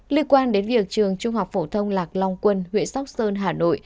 liên quan đến việc trường trung học phổ thông lạc long quân huyện sóc sơn hà nội